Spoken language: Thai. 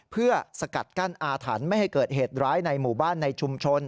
เพื่อสกัดกั้นอาถรรพ์ไม่ให้เกิดเหตุร้ายในหมู่บ้านในชุมชน